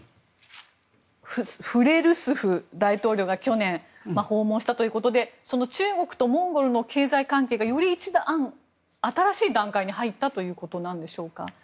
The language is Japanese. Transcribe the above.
フレルスフ大統領が去年訪問したということで中国とモンゴルの経済関係がより一段、新しい段階に入ったということなんでしょうか。